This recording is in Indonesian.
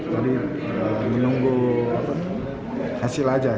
jadi menunggu hasil aja